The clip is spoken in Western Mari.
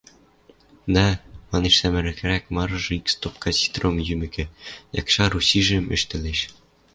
— Да, — манеш сӓмӹрӹкрӓк марыжы, ик стопка ситром йӱмӹкӹ, якшар усижӹм ӹштӹлеш.